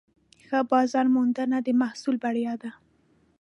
ښه بازارموندنه د محصول بریا ده.